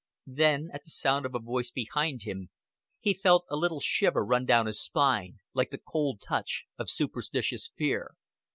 Then, at the sound of a voice behind him, he felt a little shiver run down his spine, like the cold touch of superstitious fear.